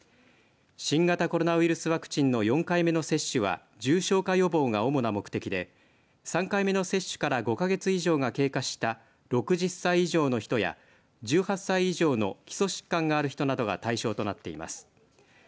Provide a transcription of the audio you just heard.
新型コロナウイルスワクチンの４回目の接種は重症化予防が主な目的で３回目の接種から５か月以上が経過した６０歳以上の人や１８歳以上の基礎疾患がある人などが対象となっています。